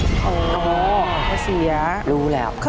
อ๋อเขาเสียรู้แล้ว